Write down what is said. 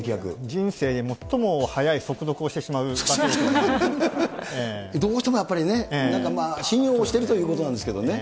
人生で最も速い速読をしてしどうしてもやっぱりね、信用してるということなんですけどね。